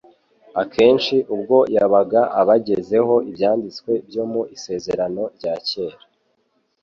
Akenshi ubwo yabaga abagezaho ibyanditswe byo mu isezerano rya Kera